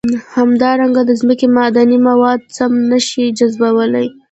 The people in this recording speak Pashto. همدارنګه د ځمکې معدني مواد سم نه شي جذبولی.